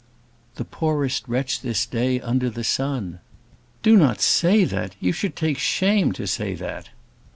"The poorest wretch this day under the sun." "Do not say that. You should take shame to say that."